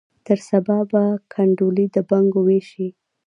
تر سبا به کنډولي د بنګو ویشي